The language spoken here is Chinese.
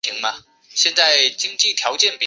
腺萼越桔为杜鹃花科越桔属下的一个种。